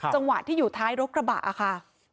จังหวะที่อยู่ท้ายรถกระบะค่ะ